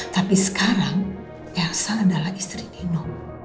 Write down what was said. tapi sekarang elsa adalah istri dino